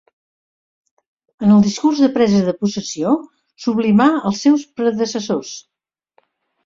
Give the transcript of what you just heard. En el discurs de presa de possessió sublimà els seus predecessors.